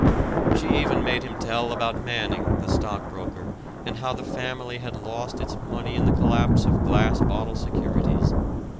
She even made him tell about Manning, the stockbroker, and how the family had lost its money in the collapse of Glass Bottle Securities.